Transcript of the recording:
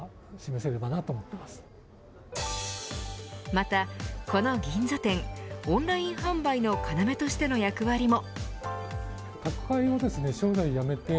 また、この銀座店オンライン販売の要としての役割も。